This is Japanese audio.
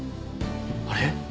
あれ？